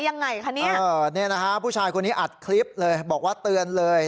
ยังไงคะนี่นะคะผู้ชายคนนี้อัดคลิปเลยบอกว่าเตือนเลย